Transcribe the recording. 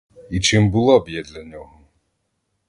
І чим була б я для нього?